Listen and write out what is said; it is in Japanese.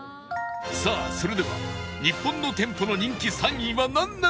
さあそれでは日本の店舗の人気３位はなんなのか？